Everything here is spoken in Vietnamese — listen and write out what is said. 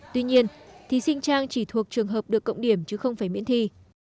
tuy nhiên thí sinh trang chỉ thuộc trường hợp được cộng điểm chứ không phải miễn thi